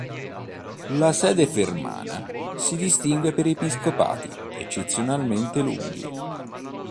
La sede fermana si distingue per episcopati eccezionalmente lunghi.